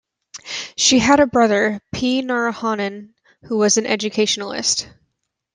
She had a brother P. Narayanan who was an educationalist.